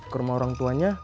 ke rumah orangtuanya